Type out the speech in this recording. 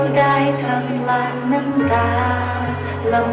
ขอบคุณทุกเรื่องราว